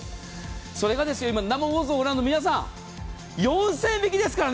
それが今、生放送をご覧の皆さん４０００円引きですからね。